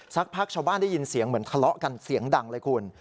สักพักชาวบ้านได้ยินเสียงเหมือนทะเลาะกันเสียงดังเลยคุณ